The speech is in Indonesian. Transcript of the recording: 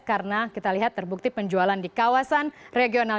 karena kita lihat terbukti penjualan di kawasan regional